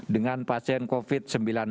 dengan pasien covid sembilan belas